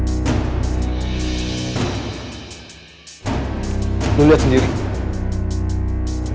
itch selalu menjerihi